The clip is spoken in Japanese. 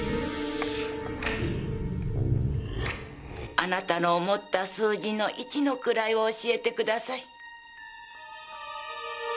あなたの思った数字の一の位を教えてください。